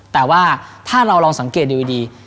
แต่ว่าถ้าเราลองสังเกตดูดี